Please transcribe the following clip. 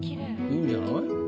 良いんじゃない？